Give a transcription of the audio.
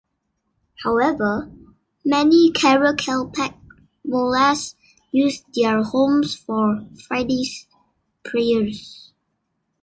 However, many Karakalpak mullahs use their homes for Friday prayers.